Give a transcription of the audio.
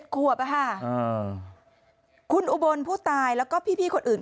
ขวบอะค่ะคุณอุบลผู้ตายแล้วก็พี่คนอื่น